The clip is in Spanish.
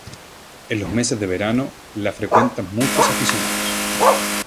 En los meses de verano la frecuentan muchos aficionados.